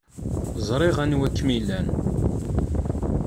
Ẓriɣ anwa kem-ilan.